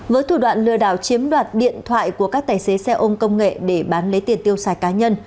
với thủ đoạn lừa đảo chiếm đoạt điện thoại của các tài xế xe ôm công nghệ để bán lấy tiền tiêu xài cá nhân